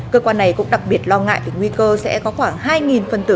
cơ quan này cũng đặc biệt lo ngại về nguy cơ sẽ có khoảng hai phần tử